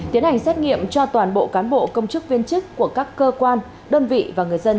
tiến hành xét nghiệm cho toàn bộ cán bộ công chức viên chức của các cơ quan đơn vị và người dân